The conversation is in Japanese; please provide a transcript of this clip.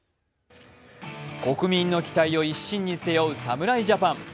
国民の期待を一身に背負う侍ジャパン。